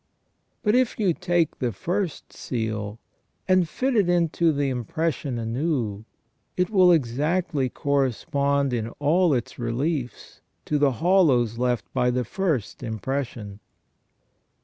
But if you take the first seal, and fit it into the impression anew, it will exactly correspond in all its reliefs to the hollows left by the first impression.